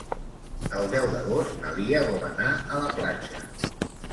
El deu d'agost na Lia vol anar a la platja.